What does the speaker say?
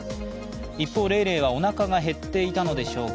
一方、レイレイはおなかが減っていたのでしょうか。